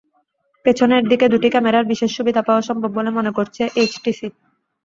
পেছনের দিকে দুটি ক্যামেরার বিশেষ সুবিধা পাওয়া সম্ভব বলে মনে করছে এইচটিসি।